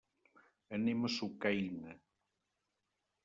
Anem a Sucaina.